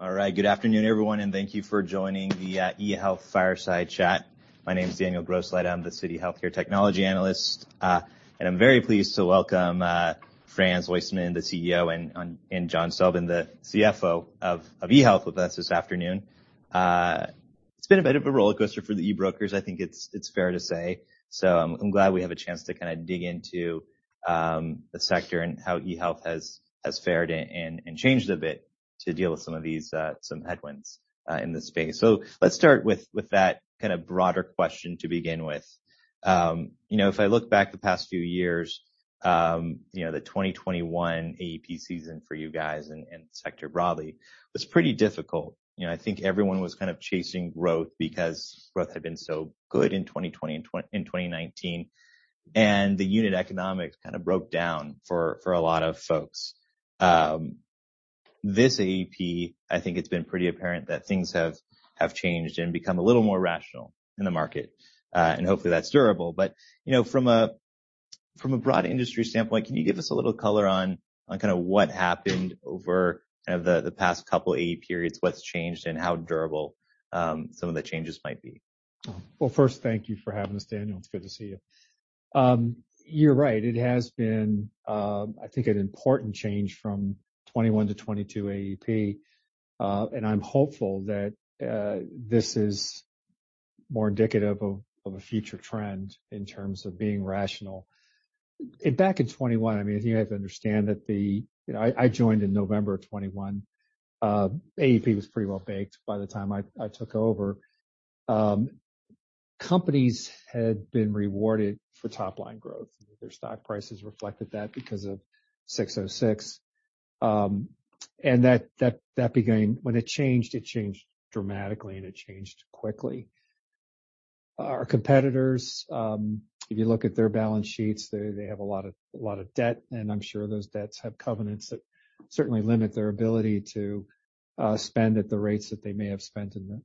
All right. Good afternoon, everyone, and thank you for joining the eHealth Fireside Chat. My name is Daniel Grosslight. I'm the Citi Healthcare Technology Analyst. I'm very pleased to welcome Fran Soistman, the CEO, and John Stelben, the CFO of eHealth with us this afternoon. It's been a bit of a rollercoaster for the e-brokers, I think it's fair to say. I'm glad we have a chance to kind of dig into the sector and how eHealth has fared and changed a bit to deal with some of these some headwinds in this space. Let's start with that kind of broader question to begin with. If I look back the past few years, the 2021 AEP season for you guys and the sector broadly was pretty difficult. I think everyone was kind of chasing growth because growth had been so good in 2020 and in 2019, and the unit economics kind of broke down for a lot of folks. This AEP, I think it's been pretty apparent that things have changed and become a little more rational in the market, and hopefully that's durable. From a broad industry standpoint, can you give us a little color on kind of what happened over kind of the past couple AEP periods, what's changed, and how durable some of the changes might be? First, thank you for having us, Daniel. It's good to see you. You're right. It has been, I think an important change from 2021 to 2022 AEP. I'm hopeful that this is more indicative of a future trend in terms of being rational. Back in 2021, I mean, you have to understand that the... You know, I joined in November of 2021. AEP was pretty well baked by the time I took over. Companies had been rewarded for top-line growth. Their stock prices reflected that because of ASC 606. When it changed, it changed dramatically, and it changed quickly. Our competitors, if you look at their balance sheets, they have a lot of debt, and I'm sure those debts have covenants that certainly limit their ability to spend at the rates that they may have spent in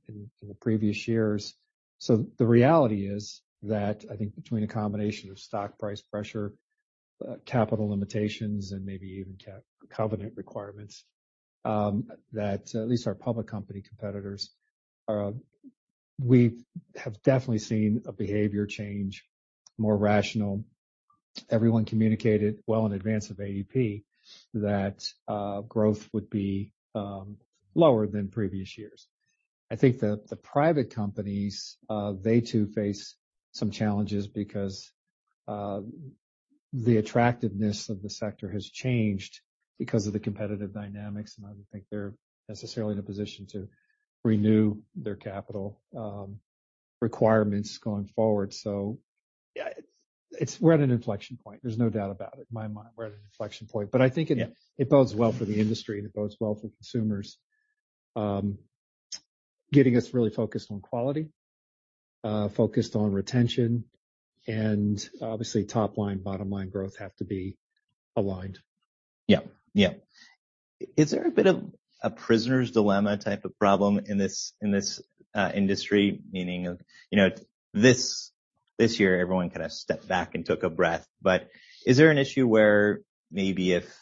the previous years. The reality is that I think between a combination of stock price pressure, capital limitations, and maybe even covenant requirements, that at least our public company competitors are. We have definitely seen a behavior change, more rational. Everyone communicated well in advance of AEP that growth would be lower than previous years. I think the private companies, they too face some challenges because the attractiveness of the sector has changed because of the competitive dynamics, and I don't think they're necessarily in a position to renew their capital requirements going forward. Yeah, it's, we're at an inflection point. There's no doubt about it. In my mind, we're at an inflection point. Yeah. It bodes well for the industry, and it bodes well for consumers, getting us really focused on quality, focused on retention, and obviously top line, bottom line growth have to be aligned. Yeah. Yeah. Is there a bit of a prisoner's dilemma type of problem in this, in this industry? Meaning of, you know, this year, everyone kind of stepped back and took a breath. Is there an issue where maybe if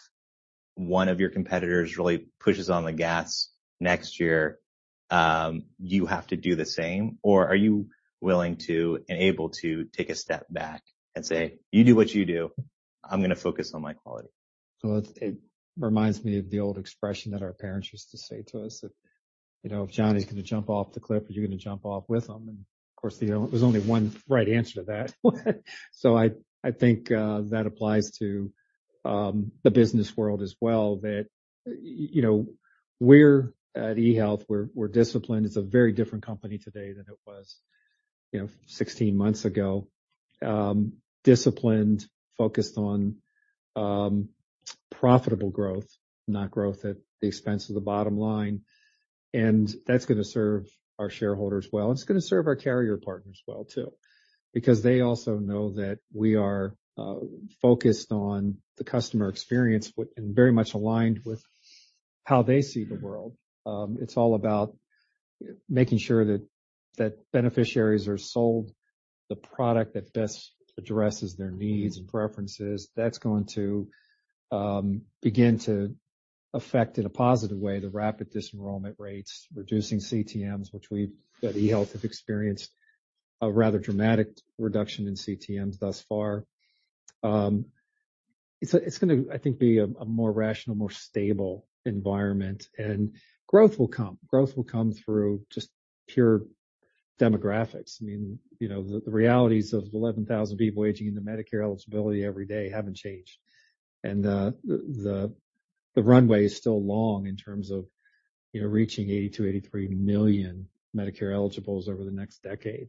one of your competitors really pushes on the gas next year, you have to do the same? Or are you willing to and able to take a step back and say, "You do what you do. I'm gonna focus on my quality. Well, it reminds me of the old expression that our parents used to say to us that, you know, "If Johnny's gonna jump off the cliff, are you gonna jump off with him?" Of course, there's only one right answer to that. I think that applies to the business world as well, that, you know, we're at eHealth, we're disciplined. It's a very different company today than it was, you know, 16 months ago. Disciplined, focused on profitable growth, not growth at the expense of the bottom line, that's gonna serve our shareholders well. It's gonna serve our carrier partners well too because they also know that we are focused on the customer experience and very much aligned with how they see the world. It's all about making sure that beneficiaries are sold the product that best addresses their needs and preferences. That's going to begin to affect in a positive way the rapid dis-enrollment rates, reducing CTMs, which we at eHealth have experienced a rather dramatic reduction in CTMs thus far. It's, it's gonna, I think, be a more rational, more stable environment. Growth will come. Growth will come through just pure demographics. I mean, you know, the realities of 11,000 people aging into Medicare eligibility every day haven't changed. The, the runway is still long in terms of, you know, reaching 82 million-83 million Medicare eligibles over the next decade.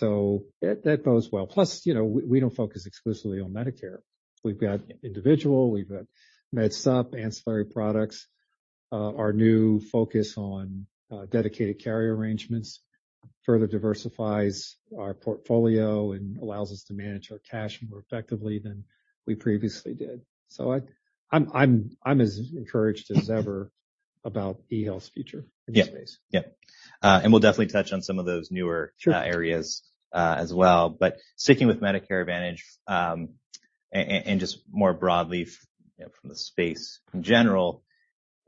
That, that bodes well. You know, we don't focus exclusively on Medicare. We've got individual, we've got MedSup, ancillary products. Our new focus on dedicated carrier arrangements further diversifies our portfolio and allows us to manage our cash more effectively than we previously did. I'm as encouraged as ever about eHealth's future in this space. Yeah. Yeah. We'll definitely touch on some of those newer-. Sure. areas as well. Sticking with Medicare Advantage, and just more broadly, you know, from the space in general,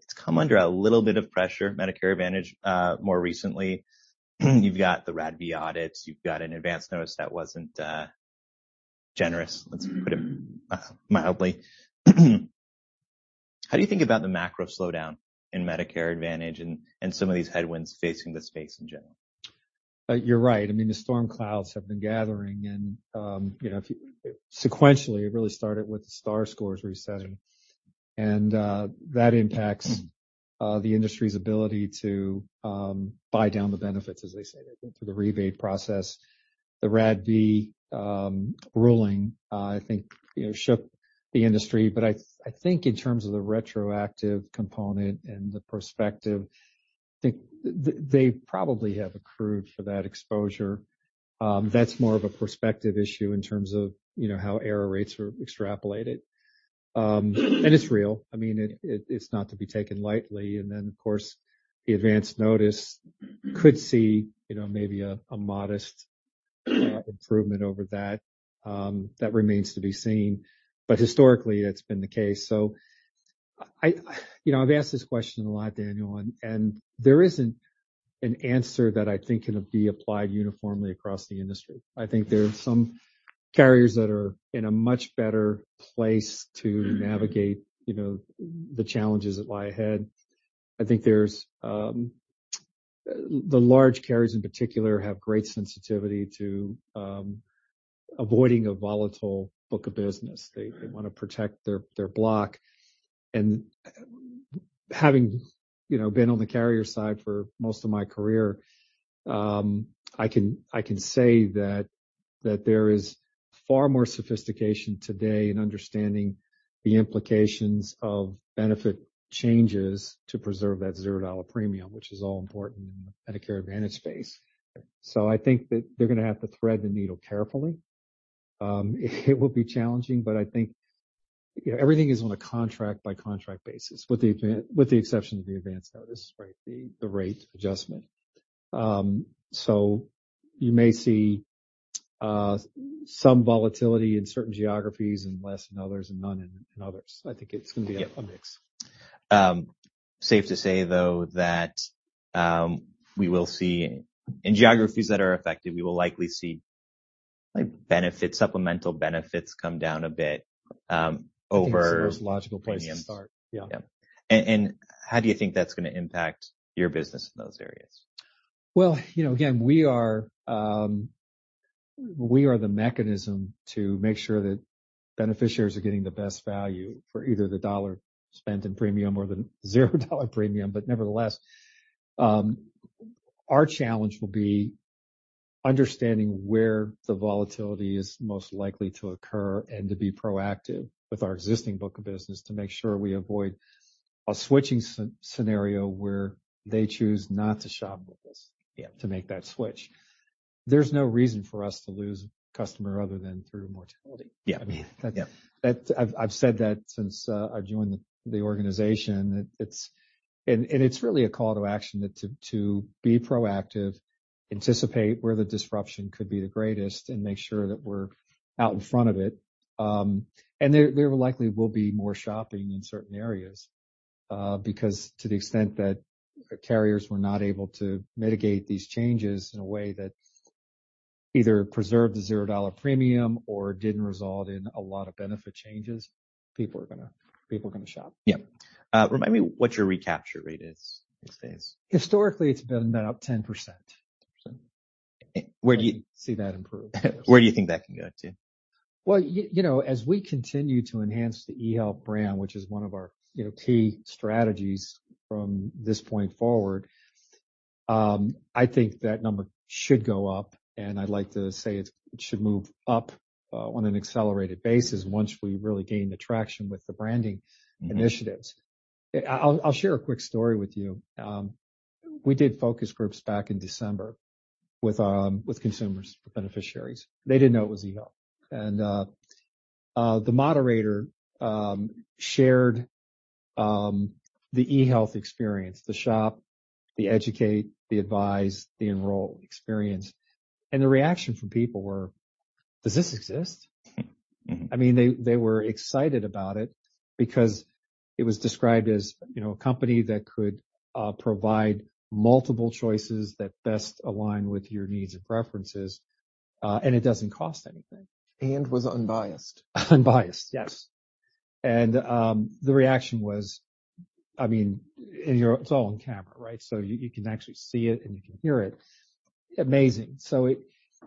it's come under a little bit of pressure, Medicare Advantage, more recently. You've got the RADV audits, you've got an advance notice that wasn't generous, let's put it mildly. How do you think about the macro slowdown in Medicare Advantage and some of these headwinds facing the space in general? You're right. I mean, the storm clouds have been gathering, you know, sequentially, it really started with the Star Ratings resetting. That impacts the industry's ability to buy down the benefits, as they say, through the rebate process. The RADV ruling, I think, you know, shook the industry. I think in terms of the retroactive component and the prospective, I think they probably have accrued for that exposure. That's more of a prospective issue in terms of, you know, how error rates are extrapolated. And it's real. I mean, it's not to be taken lightly. Then, of course, the advance notice could see, you know, maybe a modest improvement over that. That remains to be seen. Historically, that's been the case. I, you know, I've asked this question a lot, Daniel, and there isn't an answer that I think can be applied uniformly across the industry. I think there are some carriers that are in a much better place to navigate, you know, the challenges that lie ahead. I think there's the large carriers, in particular, have great sensitivity to avoiding a volatile book of business. They wanna protect their block. Having, you know, been on the carrier side for most of my career, I can say that there is far more sophistication today in understanding the implications of benefit changes to preserve that zero dollar premium, which is all important in the Medicare Advantage space. I think that they're gonna have to thread the needle carefully. It will be challenging, but I think, you know, everything is on a contract by contract basis, with the exception of the advance notice, right, the rate adjustment. You may see some volatility in certain geographies and less in others and none in others. I think it's gonna be a mix. Safe to say, though, that, In geographies that are affected, we will likely see, like, benefit, supplemental benefits come down a bit. I think it's the most logical place to start. Yeah. Yeah. How do you think that's gonna impact your business in those areas? Well, you know, again, we are the mechanism to make sure that beneficiaries are getting the best value for either the dollar spent in premium or the zero-dollar premium. Nevertheless, our challenge will be understanding where the volatility is most likely to occur and to be proactive with our existing book of business to make sure we avoid a switching scenario where they choose not to shop with us. Yeah. to make that switch. There's no reason for us to lose customer other than through mortality. Yeah. I mean. Yeah. I've said that since I've joined the organization. It's really a call to action to be proactive, anticipate where the disruption could be the greatest, and make sure that we're out in front of it. There likely will be more shopping in certain areas because to the extent that carriers were not able to mitigate these changes in a way that either preserved the zero-dollar premium or didn't result in a lot of benefit changes, people are gonna shop. Yeah. Remind me what your recapture rate is these days? Historically, it's been about 10%. 10%. Where do you... I see that improving. Where do you think that can go to? Well, you know, as we continue to enhance the eHealth brand, which is one of our, you know, key strategies from this point forward, I think that number should go up, and I'd like to say it should move up on an accelerated basis once we really gain the traction with the branding initiatives. I'll share a quick story with you. We did focus groups back in December with consumers, beneficiaries. They didn't know it was eHealth. The moderator shared the eHealth experience, the shop, the educate, the advise, the enroll experience. And the reaction from people were, "Does this exist? Mm-hmm. I mean, they were excited about it because it was described as, you know, a company that could provide multiple choices that best align with your needs and preferences, and it doesn't cost anything. Was unbiased. Unbiased, yes. The reaction was, I mean, and it's all on camera, right? You, you can actually see it, and you can hear it. Amazing.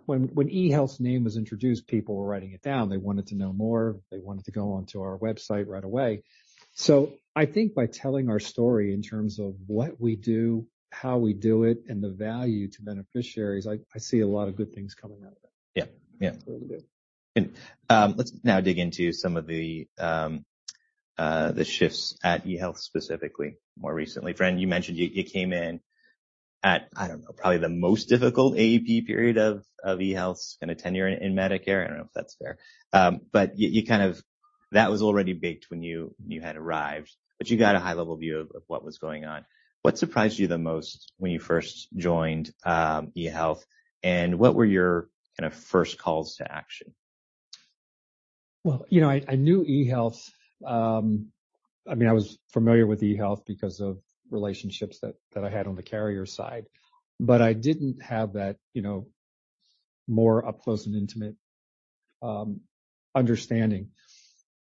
When eHealth's name was introduced, people were writing it down. They wanted to know more, they wanted to go onto our website right away. I think by telling our story in terms of what we do, how we do it, and the value to beneficiaries, I see a lot of good things coming out of it. Yeah. Yeah. I really do. Let's now dig into some of the shifts at eHealth, specifically more recently. Fran, you mentioned you came in at, I don't know, probably the most difficult AEP period of eHealth's kinda tenure in Medicare. I don't know if that's fair. But you kind of That was already baked when you had arrived, but you got a high level view of what was going on. What surprised you the most when you first joined eHealth, and what were your kinda first calls to action? Well, you know, I knew eHealth. I mean, I was familiar with eHealth because of relationships that I had on the carrier side, but I didn't have that, you know, more up close and intimate understanding.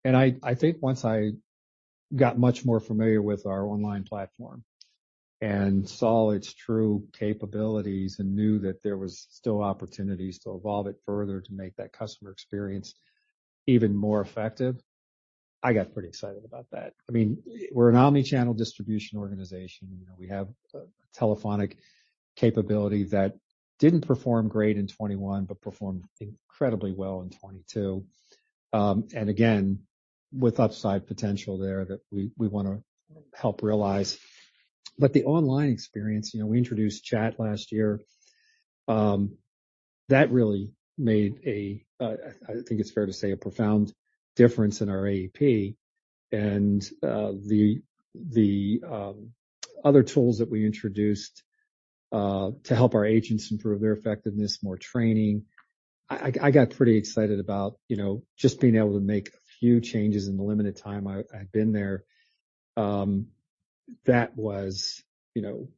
I think once I got much more familiar with our online platform and saw its true capabilities and knew that there was still opportunities to evolve it further to make that customer experience even more effective, I got pretty excited about that. I mean, we're an omni-channel distribution organization. You know, we have a telephonic capability that didn't perform great in 2021, but performed incredibly well in 2022. Again, with upside potential there that we wanna help realize. The online experience, you know, we introduced chat last year, that really made a I think it's fair to say, a profound difference in our AEP and the other tools that we introduced to help our agents improve their effectiveness, more training. I got pretty excited about, you know, just being able to make a few changes in the limited time I've been there. That was, you know,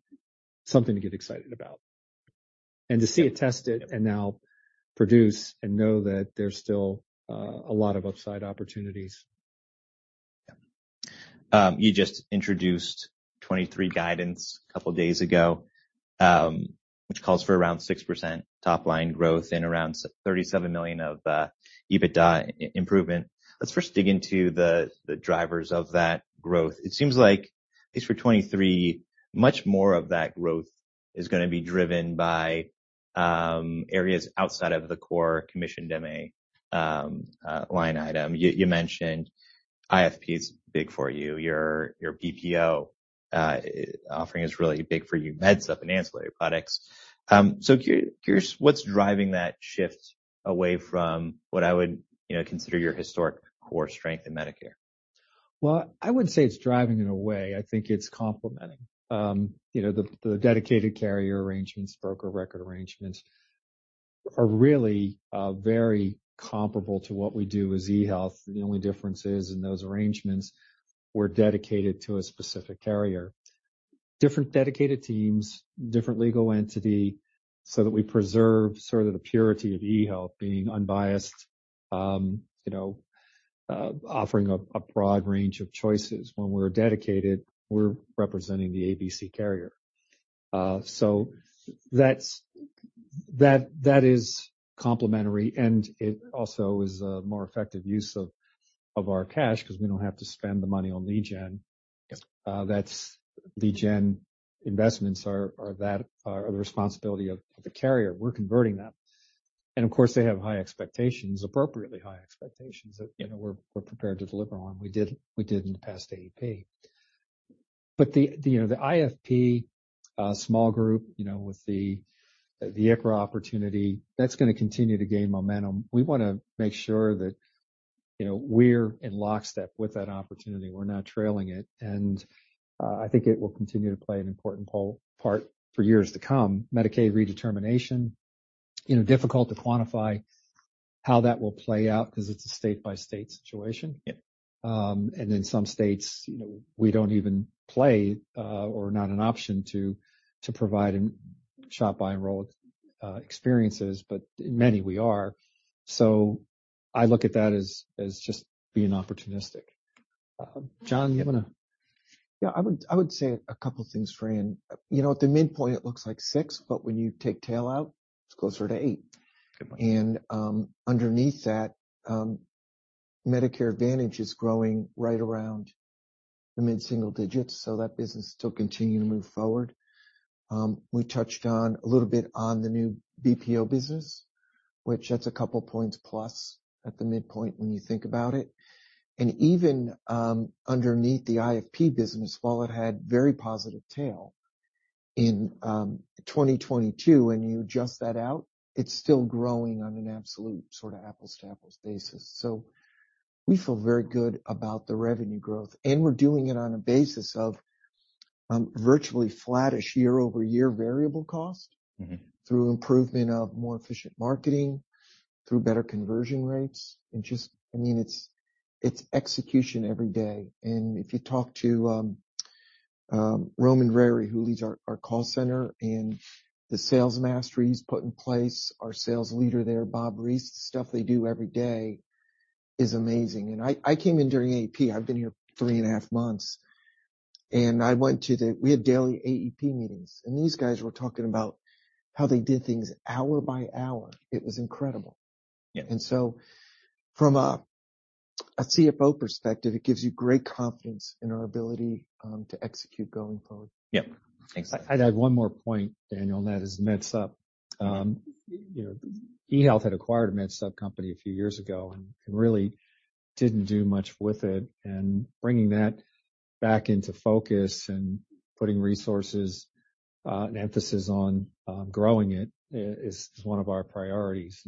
something to get excited about. To see it tested and now produce and know that there's still a lot of upside opportunities. You just introduced 2023 guidance a couple days ago, which calls for around 6% top line growth and around $37 million of EBITDA improvement. Let's first dig into the drivers of that growth. It seems like at least for 2023, much more of that growth is gonna be driven by areas outside of the core commissioned MA line item. You mentioned IFP is big for you. Your BPO offering is really big for you. MedSup and ancillary products. Curious, what's driving that shift away from what I would, you know, consider your historic core strength in Medicare? Well, I wouldn't say it's driving in a way. I think it's complementing. You know, the dedicated carrier arrangements, broker record arrangements are really, very comparable to what we do as eHealth. The only difference is in those arrangements we're dedicated to a specific carrier. Different dedicated teams, different legal entity, so that we preserve sort of the purity of eHealth being unbiased, you know, offering up a broad range of choices. When we're dedicated, we're representing the ABC carrier. That is complementary, and it also is a more effective use of our cash 'cause we don't have to spend the money on lead gen. Yeah. That's lead gen investments are the responsibility of the carrier. We're converting that. Of course, they have high expectations, appropriately high expectations that, you know, we're prepared to deliver on. We did in the past AEP. The IFP, small group, you know, with the ICHRA opportunity, that's gonna continue to gain momentum. We wanna make sure that, you know, we're in lockstep with that opportunity. We're not trailing it, and I think it will continue to play an important part for years to come. Medicaid redetermination, you know, difficult to quantify how that will play out 'cause it's a state-by-state situation. Yeah. In some states, you know, we don't even play, or not an option to provide an shop, buy, enroll experiences, but in many we are. I look at that as just being opportunistic. John, you wanna? Yeah, I would say a couple things, Fran. You know, at the midpoint it looks like six, but when you take tail out, it's closer to eight. Good point. Underneath that, Medicare Advantage is growing right around the mid-single digits, so that business is still continuing to move forward. We touched on a little bit on the new BPO business, which that's a couple points plus at the midpoint when you think about it. Even underneath the IFP business, while it had very positive tail in 2022, when you adjust that out, it's still growing on an absolute sort of apples to apples basis. We feel very good about the revenue growth, and we're doing it on a basis of virtually flattish year-over-year variable cost. Mm-hmm. Through improvement of more efficient marketing, through better conversion rates, and just, I mean, it's execution every day. If you talk to Roman Rariy, who leads our call center and the sales mastery he's put in place, our sales leader there, Bob Reese, the stuff they do every day is amazing. I came in during AEP. I've been here three and a half months. I went to the we had daily AEP meetings, and these guys were talking about how they did things hour by hour. It was incredible. Yeah. From a CFO perspective, it gives you great confidence in our ability to execute going forward. Yep. Thanks. I'd add one more point, Daniel, and that is MedSup. you know, eHealth had acquired MedSup company a few years ago and really didn't do much with it. Bringing that back into focus and putting resources an emphasis on growing it is one of our priorities.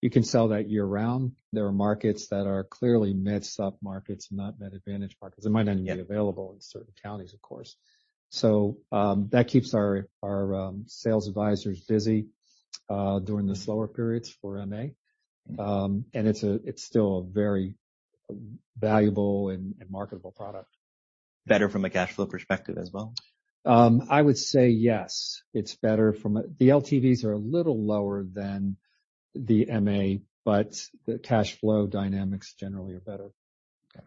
You can sell that year-round. There are markets that are clearly MedSup markets, not MedAdvantage markets. It might not even be available in certain counties, of course. That keeps our sales advisors busy during the slower periods for MA. It's still a very valuable and marketable product. Better from a cash flow perspective as well? I would say yes. It's better from a... The LTVs are a little lower than the MA. The cash flow dynamics generally are better. Okay.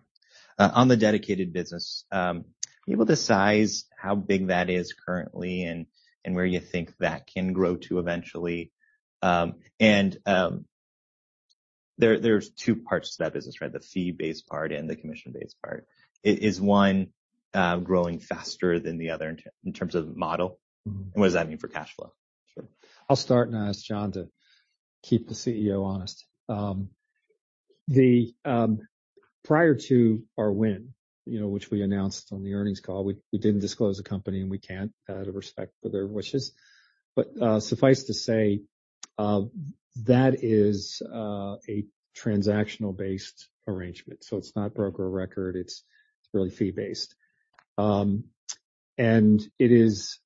On the dedicated business, are you able to size how big that is currently and where you think that can grow to eventually? There's two parts to that business, right? The fee-based part and the commission-based part. Is one growing faster than the other in terms of model? Mm-hmm. What does that mean for cash flow? Sure. I'll start and ask John to keep the CEO honest. Prior to our win, you know, which we announced on the earnings call, we didn't disclose the company, and we can't out of respect for their wishes. Suffice to say, that is a transactional-based arrangement, so it's not broker of record, it's really fee-based. It is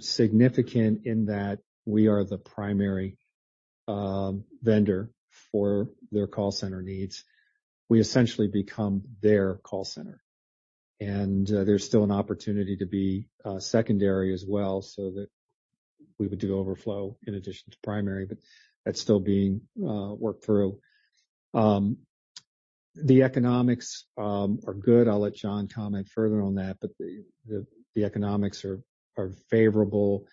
significant in that we are the primary vendor for their call center needs. We essentially become their call center. There's still an opportunity to be secondary as well, so that we would do overflow in addition to primary, but that's still being worked through. The economics are good. I'll let John comment further on that, but the economics are favorable.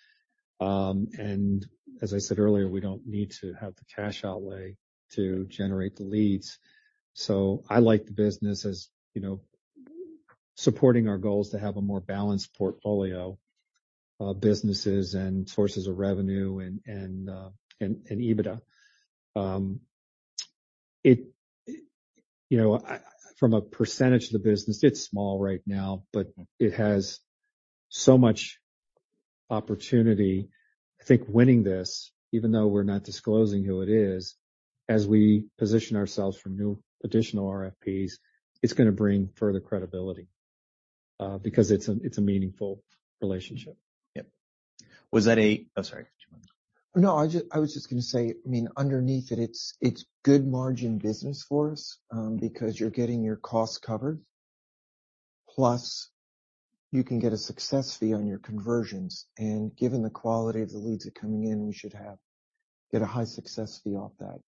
As I said earlier, we don't need to have the cash outlay to generate the leads. I like the business as, you know, supporting our goals to have a more balanced portfolio of businesses and sources of revenue and EBITDA. It, you know, From a percentage of the business, it's small right now, but it has so much opportunity. I think winning this, even though we're not disclosing who it is, as we position ourselves for new additional RFPs, it's gonna bring further credibility, because it's a meaningful relationship. Yep. Oh, sorry. Did you wanna go? No, I was just gonna say, I mean, underneath it's, it's good margin business for us, because you're getting your costs covered, plus you can get a success fee on your conversions. Given the quality of the leads that are coming in, we should get a high success fee off that.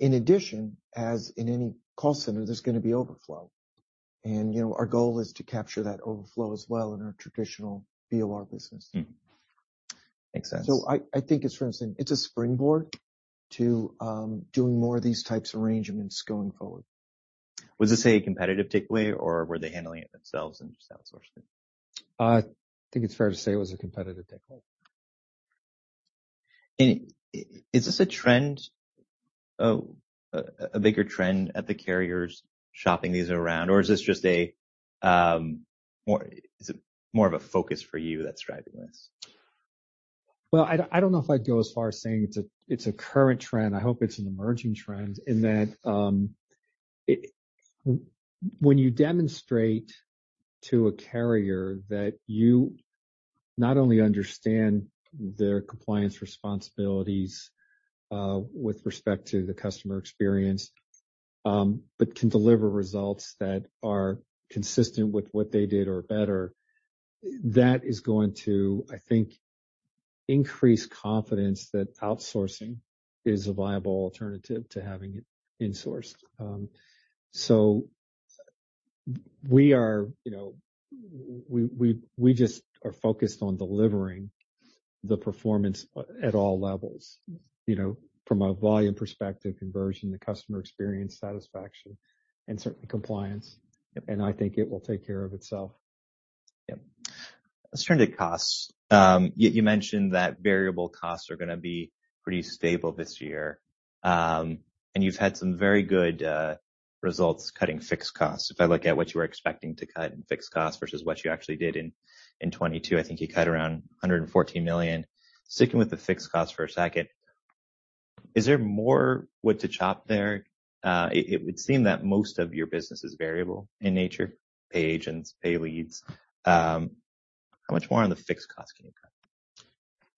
In addition, as in any call center, there's gonna be overflow. You know, our goal is to capture that overflow as well in our traditional BOR business. Mm-hmm. Makes sense. I think it's interesting. It's a springboard to doing more of these types of arrangements going forward. Was this a competitive take away or were they handling it themselves and just outsourcing? I think it's fair to say it was a competitive take hold. is this a trend? Oh, a bigger trend at the carriers shopping these around? Or is this just a, is it more of a focus for you that's driving this? Well, I don't know if I'd go as far as saying it's a current trend. I hope it's an emerging trend in that, when you demonstrate to a carrier that you not only understand their compliance responsibilities with respect to the customer experience, but can deliver results that are consistent with what they did or better, that is going to, I think, increase confidence that outsourcing is a viable alternative to having it insourced. We are, you know, we just are focused on delivering the performance at all levels, you know, from a volume perspective, conversion, the customer experience satisfaction, and certainly compliance. I think it will take care of itself. Yep. Let's turn to costs. You mentioned that variable costs are gonna be pretty stable this year. You've had some very good results cutting fixed costs. If I look at what you were expecting to cut in fixed costs versus what you actually did in 2022, I think you cut around $114 million. Sticking with the fixed costs for a second, is there more wood to chop there? It would seem that most of your business is variable in nature, pay agents, pay leads. How much more on the fixed costs can you cut?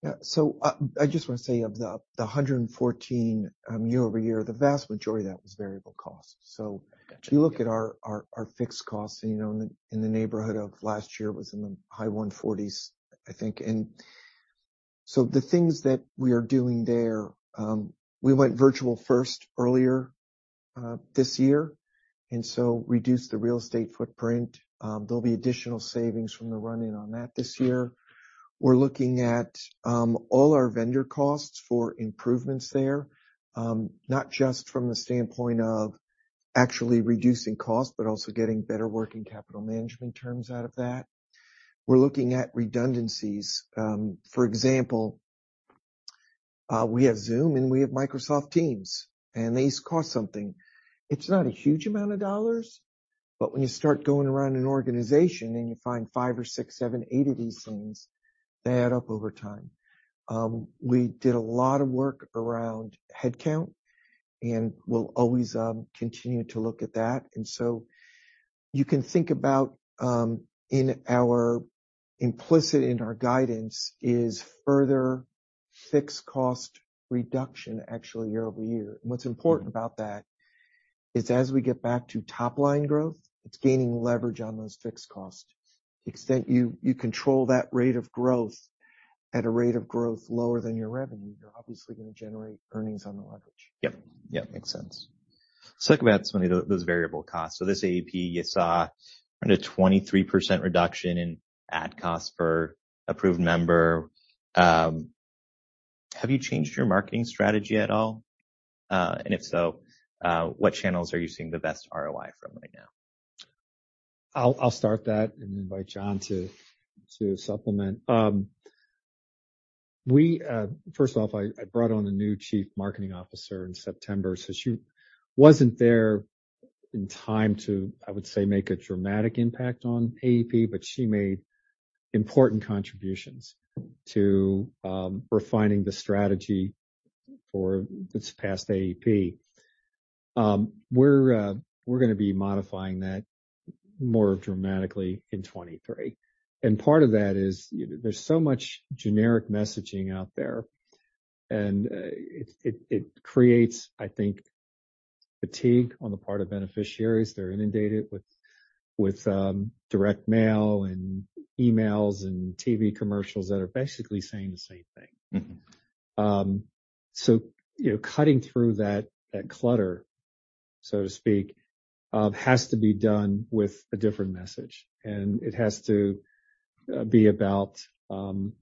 Yeah. I just want to say of the 114 year-over-year, the vast majority of that was variable costs, so. Got you. If you look at our fixed costs, you know, in the neighborhood of last year was in the high $140s, I think. The things that we are doing there, we went virtual first earlier this year, and so reduced the real estate footprint. There'll be additional savings from the run-in on that this year. We're looking at all our vendor costs for improvements there, not just from the standpoint of actually reducing costs, but also getting better working capital management terms out of that. We're looking at redundancies. For example. We have Zoom and we have Microsoft Teams, these cost something. It's not a huge amount of dollars, but when you start going around an organization and you find five or six, seven, eight of these things, they add up over time. We did a lot of work around headcount, we'll always continue to look at that. You can think about implicit in our guidance is further fixed cost reduction actually year-over-year. What's important about that is as we get back to top-line growth, it's gaining leverage on those fixed costs. To the extent you control that rate of growth at a rate of growth lower than your revenue, you're obviously going to generate earnings on the leverage. Yep. Yeah. Makes sense. Let's talk about some of those variable costs. This AEP, you saw around a 23% reduction in ad costs per approved member. Have you changed your marketing strategy at all? If so, what channels are you seeing the best ROI from right now? I'll start that and invite John to supplement. First off, I brought on a new chief marketing officer in September, so she wasn't there in time to, I would say, make a dramatic impact on AEP, but she made important contributions to refining the strategy for this past AEP. We're gonna be modifying that more dramatically in 2023. Part of that is there's so much generic messaging out there, it creates, I think, fatigue on the part of beneficiaries. They're inundated with direct mail and emails and TV commercials that are basically saying the same thing. Mm-hmm. You know, cutting through that clutter, so to speak, has to be done with a different message. It has to be about the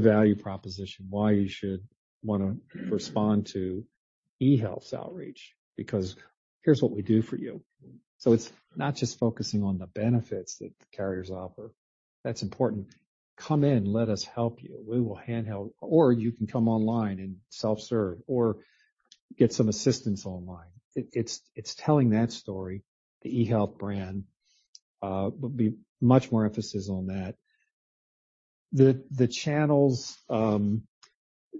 value proposition, why you should want to respond to eHealth's outreach, because here's what we do for you. It's not just focusing on the benefits that the carriers offer. That's important. Come in, let us help you. We will handheld... Or you can come online and self-serve or get some assistance online. It's telling that story, the eHealth brand, will be much more emphasis on that. The channels,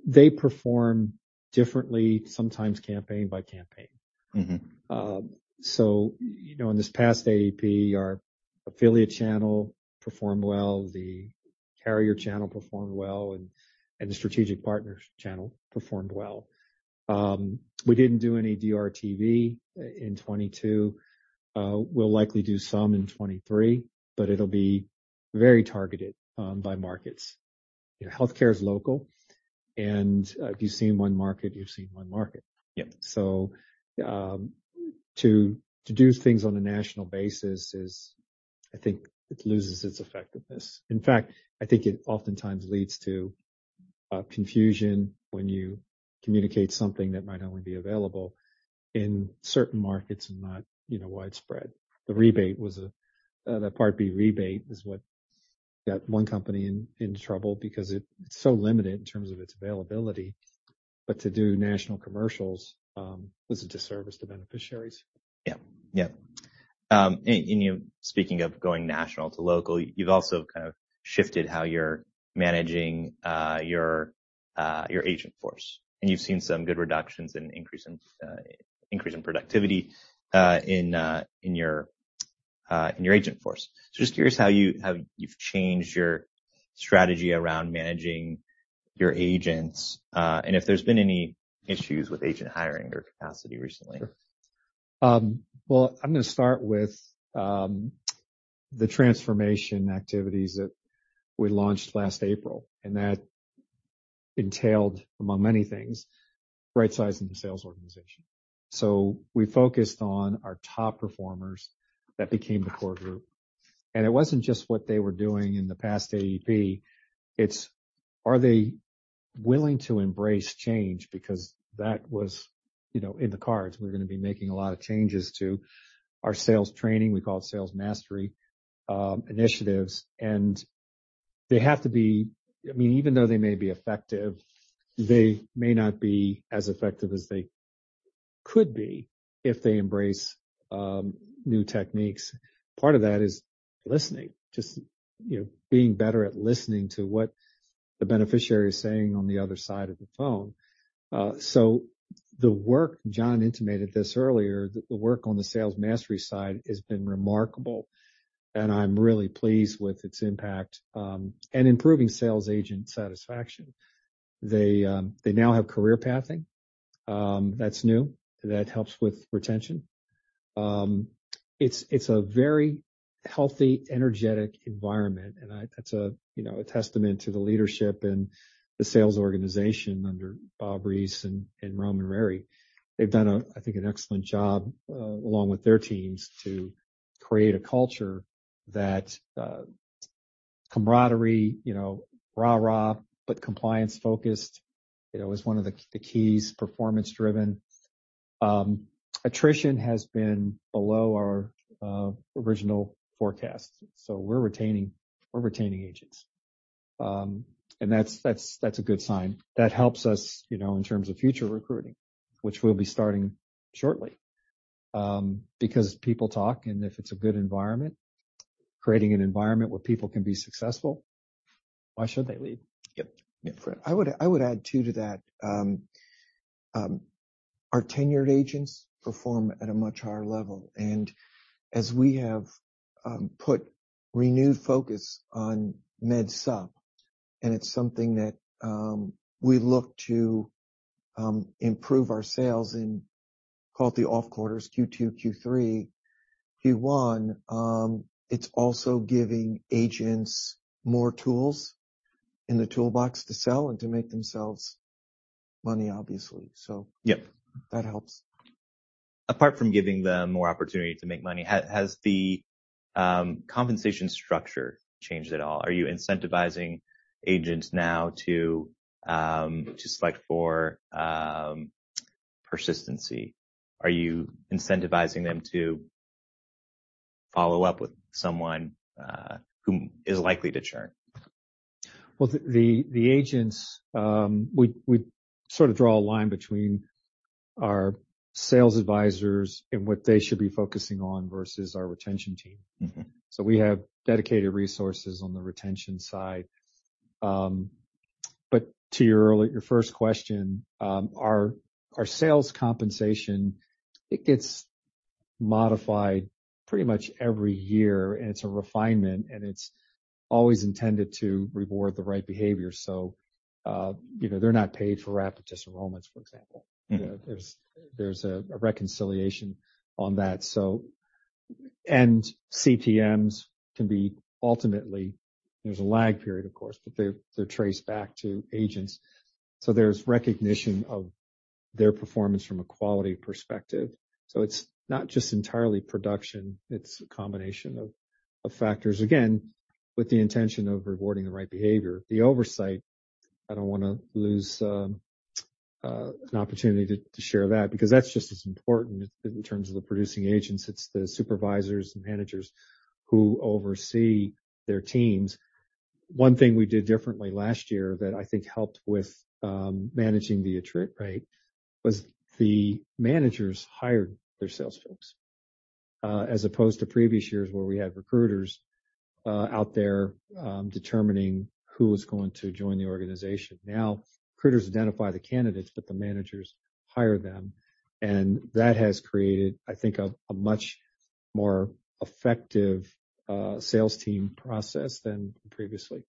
they perform differently, sometimes campaign by campaign. Mm-hmm. You know, in this past AEP, our affiliate channel performed well, the carrier channel performed well, and the strategic partners channel performed well. We didn't do any DRTV in 2022. We'll likely do some in 2023, but it'll be very targeted by markets. You know, healthcare is local, and if you've seen one market, you've seen one market. Yep. To do things on a national basis is, I think, it loses its effectiveness. In fact, I think it oftentimes leads to confusion when you communicate something that might only be available in certain markets and not, you know, widespread. The rebate was, the Part B rebate is what got one company in trouble because it's so limited in terms of its availability. To do national commercials was a disservice to beneficiaries. Yeah. Yeah. And, you know, speaking of going national to local, you've also kind of shifted how you're managing your agent force, and you've seen some good reductions and increase in productivity in your agent force. Just curious how you've changed your strategy around managing your agents, and if there's been any issues with agent hiring or capacity recently? Sure. Well, I'm gonna start with the transformation activities that we launched last April, that entailed, among many things, rightsizing the sales organization. We focused on our top performers. That became the core group. It wasn't just what they were doing in the past AEP. It's are they willing to embrace change because that was, you know, in the cards. We're going to be making a lot of changes to our sales training, we call it sales mastery, initiatives. They have to be I mean, even though they may be effective, they may not be as effective as they could be if they embrace new techniques. Part of that is listening, just, you know, being better at listening to what the beneficiary is saying on the other side of the phone. The work, John intimated this earlier, the work on the sales mastery side has been remarkable, and I'm really pleased with its impact, and improving sales agent satisfaction. They now have career pathing, that's new. That helps with retention. It's a very healthy, energetic environment, and that's a, you know, a testament to the leadership and the sales organization under Bob Reese and Roman Rariy. They've done a, I think, an excellent job, along with their teams to create a culture that camaraderie, you know, rah-rah, but compliance-focused. You know, it's one of the keys, performance-driven. Attrition has been below our original forecast, so we're retaining agents. That's a good sign. That helps us, you know, in terms of future recruiting, which we'll be starting shortly. People talk, and if it's a good environment, creating an environment where people can be successful, why should they leave? Yep. Yeah. I would add too to that. Our tenured agents perform at a much higher level. As we have put renewed focus on MedSup, and it's something that we look to improve our sales in call it the off quarters Q2, Q3, Q1, it's also giving agents more tools in the toolbox to sell and to make themselves money, obviously. Yep. That helps. Apart from giving them more opportunity to make money, has the compensation structure changed at all? Are you incentivizing agents now to just like for persistency? Are you incentivizing them to follow up with someone who is likely to churn? The agents, we sort of draw a line between our sales advisors and what they should be focusing on versus our retention team. Mm-hmm. We have dedicated resources on the retention side. But to your first question, our sales compensation, it gets modified pretty much every year, and it's a refinement, and it's always intended to reward the right behavior. You know, they're not paid for rapid disenrollments, for example. Mm-hmm. There's a reconciliation on that. CTMs can be ultimately, there's a lag period, of course, but they're traced back to agents. There's recognition of their performance from a quality perspective. It's not just entirely production, it's a combination of factors. Again, with the intention of rewarding the right behavior. The oversight, I don't wanna lose an opportunity to share that because that's just as important in terms of the producing agents. It's the supervisors and managers who oversee their teams. One thing we did differently last year that I think helped with managing the attrit rate, was the managers hired their sales folks as opposed to previous years where we had recruiters out there determining who was going to join the organization. Now, recruiters identify the candidates, but the managers hire them. That has created, I think, a much more effective, sales team process than previously.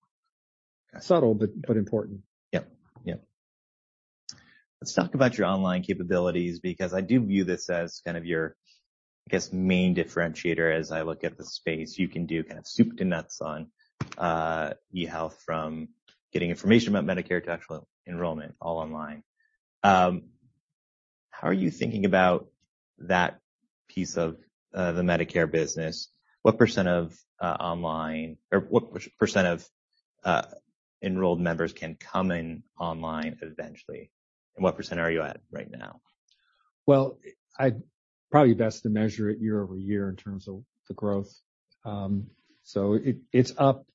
Subtle, but important. Yep. Yep. Let's talk about your online capabilities, because I do view this as kind of your, I guess, main differentiator as I look at the space. You can do kind of soup to nuts on eHealth from getting information about Medicare to actual enrollment all online. How are you thinking about that piece of the Medicare business? What percent of online or what percent of enrolled members can come in online eventually? What percent are you at right now? Well, probably best to measure it year-over-year in terms of the growth. It, it's up,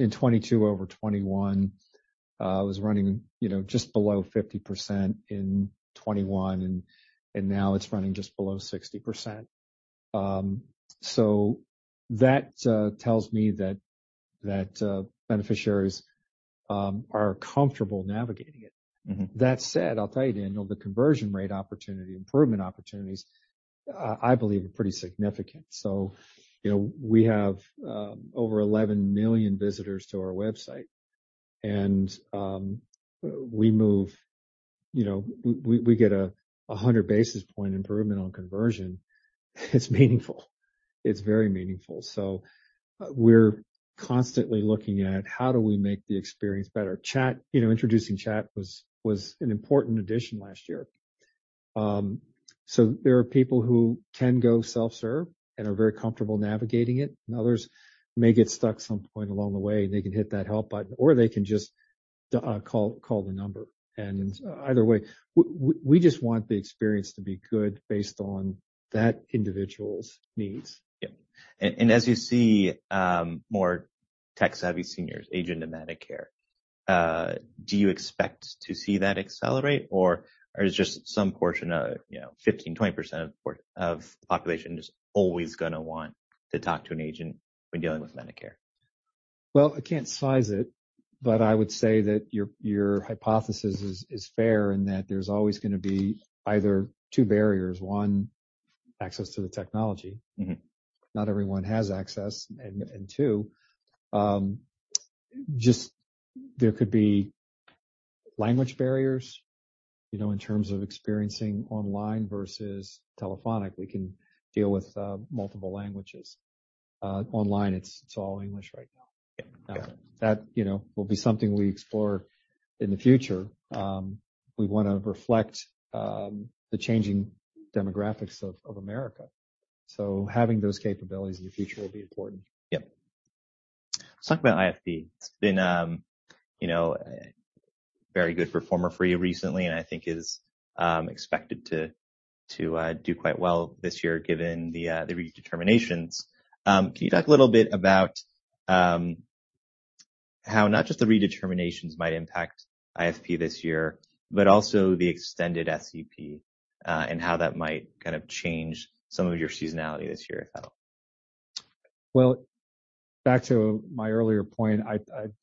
in 2022 over 2021. It was running, you know, just below 50% in 2021, and now it's running just below 60%. That, tells me that, beneficiaries, are comfortable navigating it. Mm-hmm. That said, I'll tell you, Daniel, the conversion rate opportunity, improvement opportunities, I believe are pretty significant. You know, we have over 11 million visitors to our website, and we move, you know, we get a 100 basis point improvement on conversion. It's meaningful. It's very meaningful. We're constantly looking at how do we make the experience better. Chat, you know, introducing chat was an important addition last year. There are people who can go self-serve and are very comfortable navigating it, and others may get stuck some point along the way, and they can hit that help button, or they can just call the number. Either way, we just want the experience to be good based on that individual's needs. Yep. As you see, more tech-savvy seniors aging into Medicare, do you expect to see that accelerate, or is just some portion of, you know, 15%, 20% of the population just always gonna want to talk to an agent when dealing with Medicare? Well, I can't size it, but I would say that your hypothesis is fair in that there's always gonna be either two barriers, one, access to the technology. Mm-hmm. Not everyone has access. Two, just there could be language barriers, you know, in terms of experiencing online versus telephonic. We can deal with multiple languages. Online, it's all English right now. Yeah. That, you know, will be something we explore in the future. We wanna reflect, the changing demographics of America. Having those capabilities in the future will be important. Yep. Let's talk about IFP. It's been, you know, very good for eHealth recently, I think is expected to do quite well this year, given the redeterminations. Can you talk a little bit about how not just the redeterminations might impact IFP this year, but also the extended SEP, and how that might kind of change some of your seasonality this year, if at all? Well, back to my earlier point.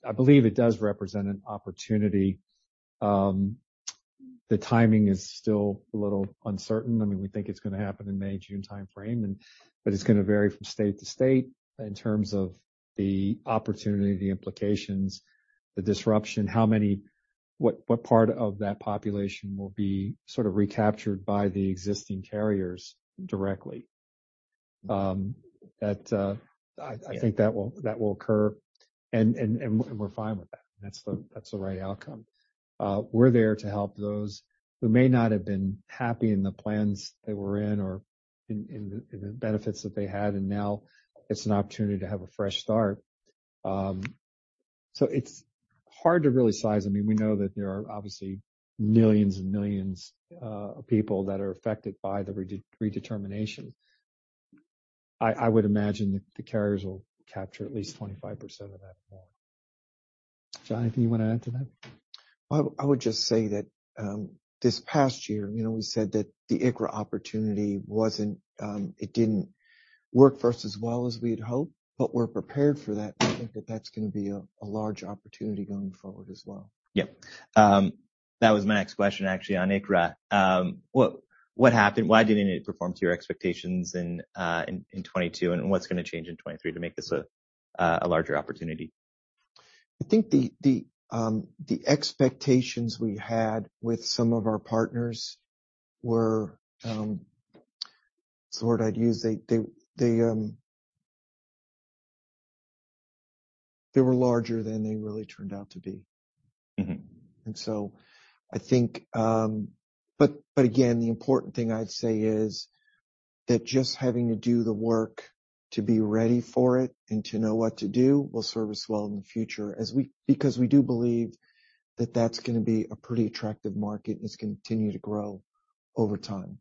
I believe it does represent an opportunity. The timing is still a little uncertain. I mean, we think it's gonna happen in May, June timeframe, and but it's gonna vary from state to state in terms of the opportunity, the implications, the disruption, what part of that population will be sort of recaptured by the existing carriers directly. That, I think that will, that will occur, and we're fine with that. That's the right outcome. We're there to help those who may not have been happy in the plans they were in or in the benefits that they had, and now it's an opportunity to have a fresh start. It's hard to really size. I mean, we know that there are obviously millions and millions of people that are affected by the redetermination. I would imagine the carriers will capture at least 25% of that or more. John, anything you wanna add to that? I would just say that, this past year, you know, we said that the ICHRA opportunity wasn't, it didn't work for us as well as we'd hoped. We're prepared for that. We think that that's gonna be a large opportunity going forward as well. Yeah. That was my next question, actually, on ICHRA. What happened? Why didn't it perform to your expectations in 2022? What's gonna change in 2023 to make this a larger opportunity? I think the expectations we had with some of our partners were, What's the word I'd use? They were larger than they really turned out to be. Mm-hmm. I think, but again, the important thing I'd say is that just having to do the work to be ready for it and to know what to do will serve us well in the future as we do believe that that's gonna be a pretty attractive market and it's continue to grow over time.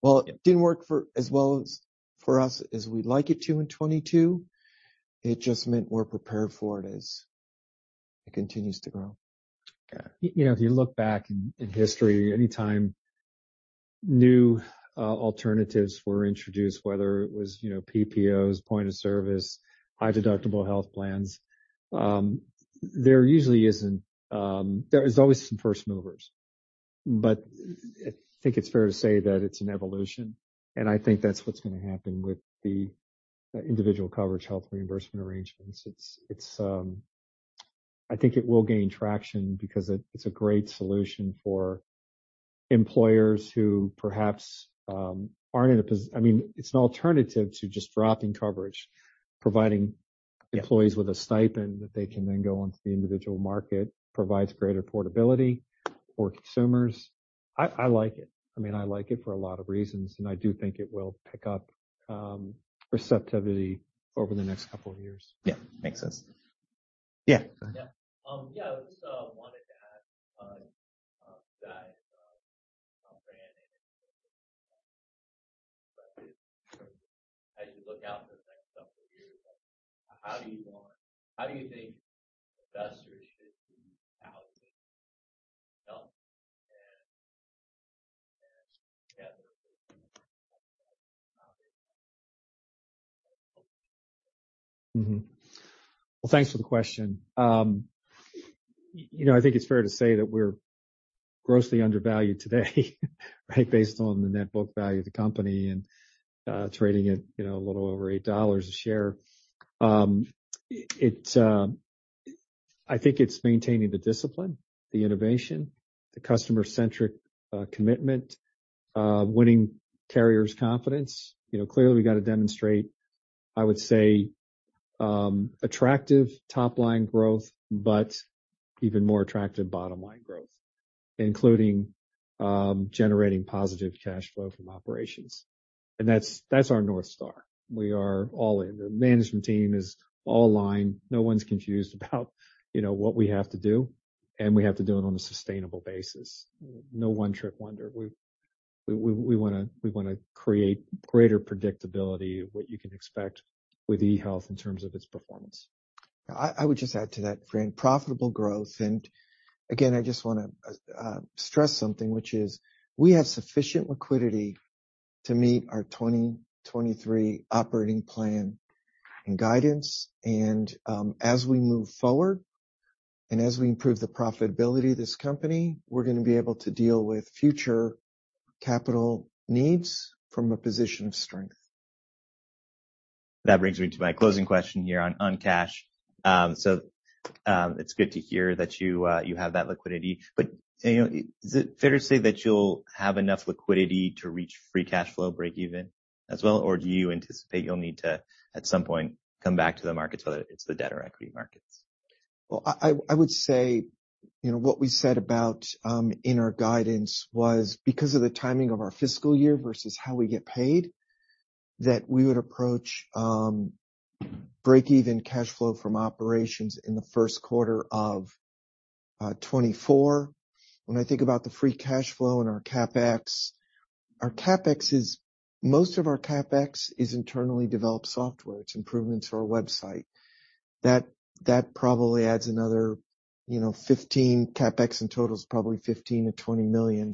While it didn't work for as well as for us as we'd like it to in 2022, it just meant we're prepared for it as it continues to grow. Okay. You know, if you look back in history, anytime new alternatives were introduced, whether it was, you know, PPOs, point of service, high-deductible health plans, there usually isn't there's always some first movers. I think it's fair to say that it's an evolution, and I think that's what's gonna happen with the individual coverage Health Reimbursement Arrangements. It's, I think it will gain traction because it's a great solution for employers who perhaps, aren't I mean, it's an alternative to just dropping coverage, providing- Yeah. employees with a stipend that they can then go onto the individual market, provides greater portability for consumers. I like it. I mean, I like it for a lot of reasons, and I do think it will pick up receptivity over the next couple of years. Yeah. Makes sense. Yeah, go ahead. Yeah. Yeah. I just wanted to add that Fran and John as you look out into the next couple of years, how do you think investors should be allocating capital and together? Well, thanks for the question. You know, I think it's fair to say that we're grossly undervalued today, right? Based on the net book value of the company and its rating at, you know, a little over $8 a share. It's, I think it's maintaining the discipline, the innovation, the customer-centric commitment, winning carriers' confidence. You know, clearly we gotta demonstrate, I would say, attractive top-line growth, but even more attractive bottom-line growth, including generating positive cash flow from operations. That's, that's our North Star. We are all in. The management team is all aligned. No one's confused about, you know, what we have to do, and we have to do it on a sustainable basis. No one-trick wonder. We wanna create greater predictability of what you can expect with eHealth in terms of its performance. I would just add to that, Fran, profitable growth. Again, I just wanna stress something, which is we have sufficient liquidity to meet our 2023 operating plan and guidance. As we move forward and as we improve the profitability of this company, we're gonna be able to deal with future capital needs from a position of strength. That brings me to my closing question here on cash. It's good to hear that you have that liquidity. You know, is it fair to say that you'll have enough liquidity to reach free cash flow breakeven as well, or do you anticipate you'll need to, at some point, come back to the markets, whether it's the debt or equity markets? I would say, you know, what we said about in our guidance was because of the timing of our fiscal year versus how we get paid, that we would approach breakeven cash flow from operations in the first quarter of 2024. When I think about the free cash flow and our CapEx, most of our CapEx is internally developed software. It's improvements to our website. That probably adds another, you know, CapEx in total is probably $15 million-$20 million.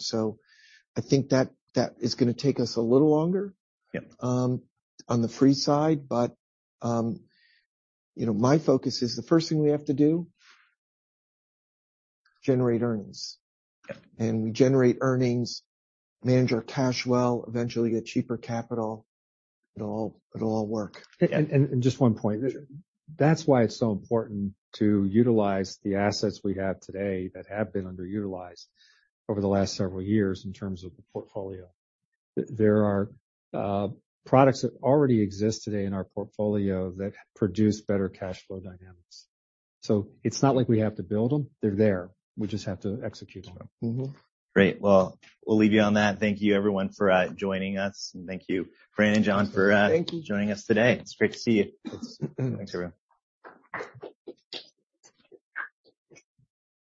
I think that is gonna take us a little longer. Yeah. on the free side, but, you know, my focus is the first thing we have to do, generate earnings. Yeah. We generate earnings, manage our cash well, eventually get cheaper capital, it'll all work. Just one point. That's why it's so important to utilize the assets we have today that have been underutilized over the last several years in terms of the portfolio. There are products that already exist today in our portfolio that produce better cash flow dynamics. It's not like we have to build them. They're there. We just have to execute on them. Mm-hmm. Great. Well, we'll leave you on that. Thank you everyone for joining us. Thank you, Fran and John, for. Thank you. joining us today. It's great to see you. Thanks. Thanks, everyone.